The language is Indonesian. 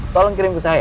tolong kirim ke saya ya